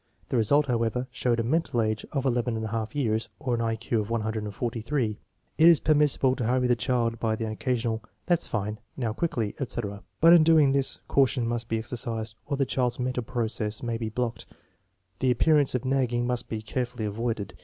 The result, however, showed a mental age of 11^2 years, or an I Q of 143. It is permissible to hurry the child by an occasional " that's fine; now, quickly," etc., but in doing this caution must be exercised, or the child's mental process may be blocked. The appearance of nagging must be carefully avoided.